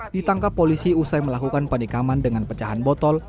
ditangkap polisi usai melakukan penikaman dengan pecahan botol